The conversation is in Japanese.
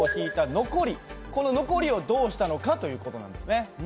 この残りをどうしたのかという事なんですね。